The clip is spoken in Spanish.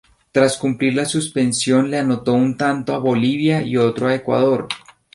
Tras cumplir la suspensión le anotó un tanto a Bolivia, y otro a Ecuador.